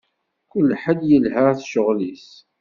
Kul ḥedd yelha d cceɣl-is.